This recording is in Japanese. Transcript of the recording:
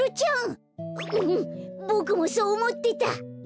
うんボクもそうおもってた！